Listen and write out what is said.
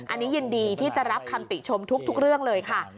อันนี้ยินดีที่จะรับคำติชมทุกเรื่องเลยค่ะ